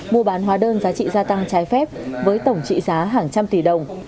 mua bán hóa đơn giá trị gia tăng trái phép với tổng trị giá hàng trăm tỷ đồng